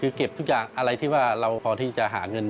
คือเก็บทุกอย่างอะไรที่ว่าเราพอที่จะหาเงิน